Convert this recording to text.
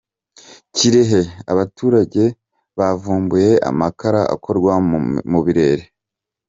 Kirehe: Abaturage bavumbuye Amakara akorwa mu birere